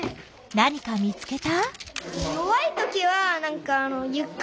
何か見つけた？